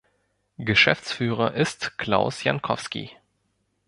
Geschäftsführer ist Klaus Jankowsky.